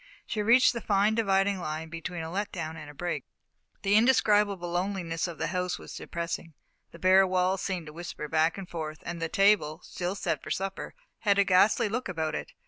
She had reached the fine dividing line between a let down and a break. The indescribable loneliness of the house was depressing. The bare walls seemed to whisper back and forth, and the table, still set for supper, had a ghastly look about it.